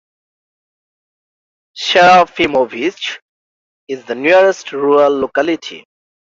Serafimovich is the nearest rural locality.